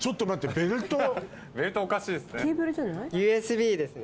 ベルトおかしいですね。